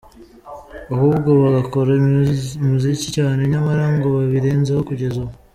ahubwo bagakora umuziki cyane, nyamara ngo babirenzeho kugeza ubu.